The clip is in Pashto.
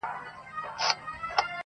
کۀ تاته ياد سي پۀ خبرو بۀ مو شپه وهله.